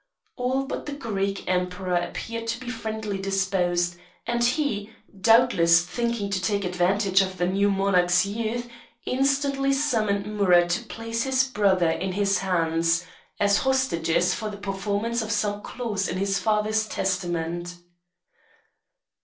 All but the Greek Emperor appeared to be friendlily disposed, and he, doubtless thinking to take advantage of the new monarch's youth, instantly summoned Amurath to place his brothers in his hands, as hostages for the performance of some clause in his father's testament.